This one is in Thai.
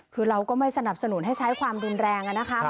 คือเราก็ไม่สนับสนุนให้ใช้ความรุนแรงนะคะ